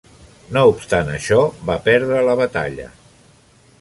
No obstant això, va perdre la batalla.